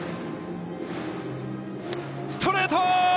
ストレート！